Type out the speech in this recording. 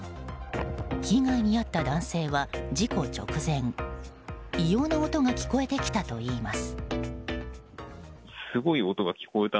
被害に遭った男性は、事故直前異様な音が聞こえてきたといいます。